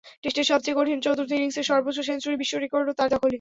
টেস্টের সবচেয়ে কঠিন চতুর্থ ইনিংসে সর্বোচ্চ সেঞ্চুরির বিশ্ব রেকর্ডও তাঁর দখলে।